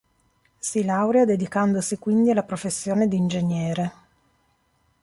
Si laurea dedicandosi quindi alla professione di ingegnere.